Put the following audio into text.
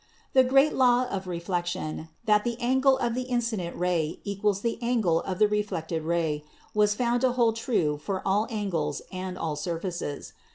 The great law of Reflection, that the Angle of the In cident Ray equals the Angle of the Reflected Ray, was found to hold true for all angles and all surfaces.